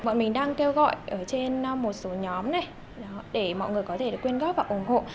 bọn mình đang kêu gọi ở trên một số nhóm này để mọi người có thể được quyên góp và ủng hộ